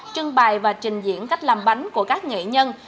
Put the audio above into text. trưng bài và trình diễn cách làm bánh của các nghệ nhân